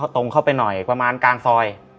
ตรงเข้าไปหน่อยประมาณกลางซอย